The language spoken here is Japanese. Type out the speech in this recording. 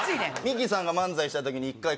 ミキさんが漫才した時に１回昴